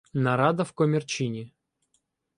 "Нарада" в комірчині